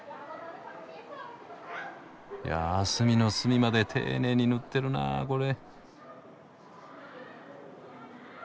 や隅の隅まで丁寧に塗ってるなコレ。